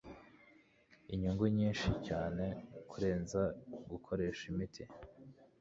inyungu nyinshi cyane kurenza gukoresha imiti,